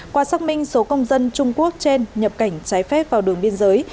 qua xác minh số công dân trung quốc trên nhập cảnh trái phép vào đường biên giới